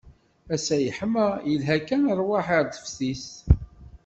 Ass-a yeḥma, yelha kan i rrwaḥ ɣer teftist.